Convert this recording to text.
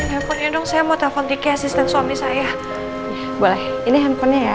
handphone indung saya mau telepon di asisten suami saya boleh ini handphonenya ya